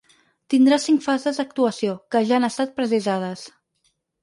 Tindrà cinc fases d’actuació, que ja han estat precisades.